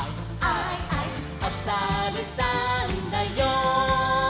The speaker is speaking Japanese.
「おさるさんだよ」